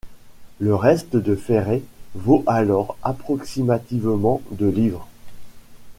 Le reste de Fairey vaut alors approximativement de livres.